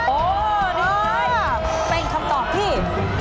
โอ้นี่เป็นคำตอบที่